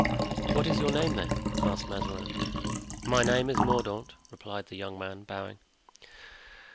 "What is your name, then?" asked Mazarin. "My name is Mordaunt," replied the young man, bowing.